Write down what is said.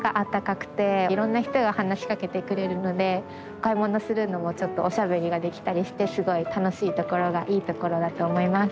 お買い物するのもちょっとおしゃべりができたりしてすごい楽しいところがいいところだと思います。